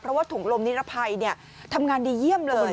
เพราะว่าถุงลมนิรภัยทำงานดีเยี่ยมเลย